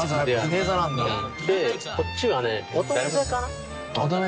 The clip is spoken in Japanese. でこっちは。